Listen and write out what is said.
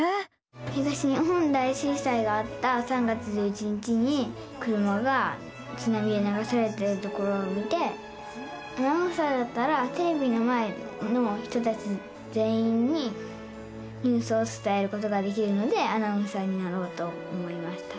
東日本大震災があった３月１１日に車がつなみでながされてるところを見てアナウンサーだったらテレビの前の人たち全員にニュースをつたえることができるのでアナウンサーになろうと思いました。